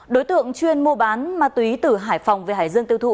đối tượng chuyên mua bán ma túy từ hải phòng về hải dương tiêu thụ